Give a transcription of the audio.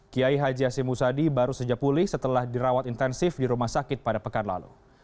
kiai haji hashim musadi baru saja pulih setelah dirawat intensif di rumah sakit pada pekan lalu